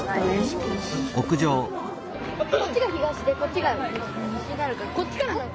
こっちが東でこっちが西になるからこっちから。